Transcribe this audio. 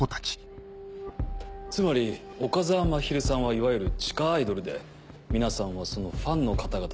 つまり岡澤まひるさんはいわゆる地下アイドルで皆さんはそのファンの方々であると。